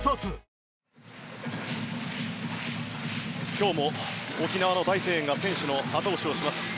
今日も沖縄の大声援が選手のあと押しをします。